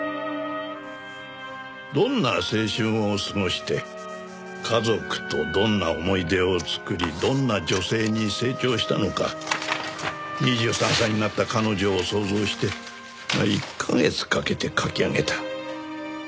どんな青春を過ごして家族とどんな思い出を作りどんな女性に成長したのか２３歳になった彼女を想像して１カ月かけて描き上げた。